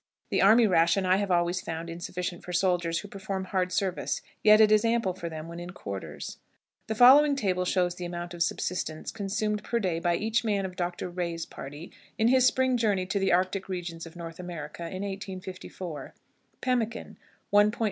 The army ration I have always found insufficient for soldiers who perform hard service, yet it is ample for them when in quarters. The following table shows the amount of subsistence consumed per day by each man of Dr. Rae's party, in his spring journey to the Arctic regions of North America in 1854: Pemmican 1.25 lbs.